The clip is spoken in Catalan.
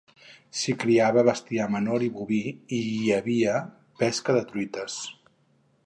S'hi criava bestiar menor i boví, i hi havia pesca de truites.